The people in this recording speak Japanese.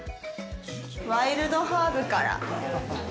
ワイルドハーブから。